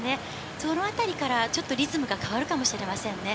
そのあたりから、ちょっとリズムが変わるかもしれませんね。